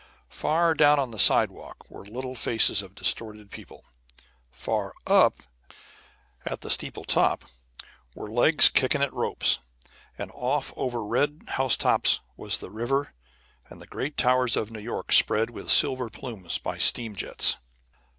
Far down on the sidewalk were little faces of distorted people; far up at the steeple top were legs kicking at ropes. And off over red housetops was the river, and the great towers of New York spread with silver plumes by the steam jets.